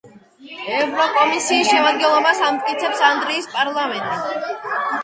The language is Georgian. ევროკომისიის შემადგენლობას ამტკიცებს ევროპის პარლამენტი.